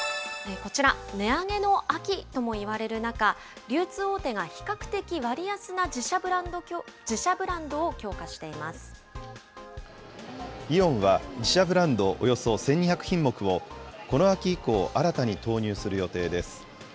こちら、値上げの秋ともいわれる中、流通大手が比較的割安な自社イオンは、自社ブランドおよそ１２００品目をこの秋以降、新たに投入する予定です。